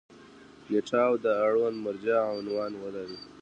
نیټه او د اړونده مرجع عنوان ولري.